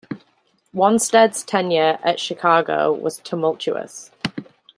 Wannstedt's tenure at Chicago was tumultuous.